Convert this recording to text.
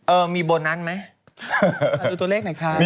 มีโบนัสไหมดูตัวเลขหน่อยค่ะ